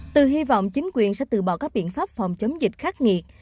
từ hy vọng chính quyền sẽ từ bỏ các biện pháp phòng chống dịch khắc nghiệt